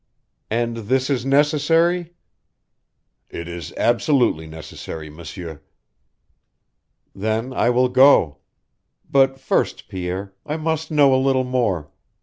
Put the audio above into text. "And this is necessary?" "It is absolutely necessary, M'sieur." "Then I will go. But first, Pierre, I must know a little more.